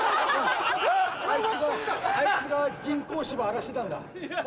あいつが人工芝荒らしてたんだ。